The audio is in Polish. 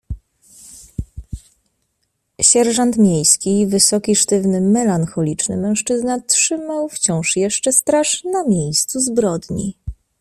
"Sierżant miejski, wysoki, sztywny, melancholiczny mężczyzna trzymał wciąż jeszcze straż na miejscu zbrodni."